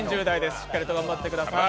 しっかりと頑張ってください。